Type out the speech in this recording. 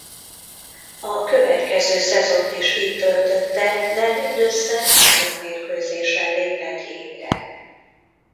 A következő szezont is itt töltötte de mindössze három mérkőzésen lépett jégre.